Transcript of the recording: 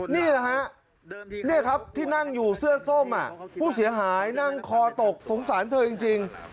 นี่แหละฮะนี่ครับที่นั่งอยู่เสื้อส้มผู้เสียหายนั่งคอตกสงสารเธอจริง